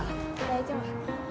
大丈夫。